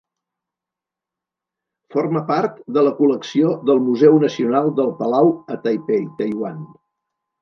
Forma part de la col·lecció del Museu Nacional del Palau a Taipei, Taiwan.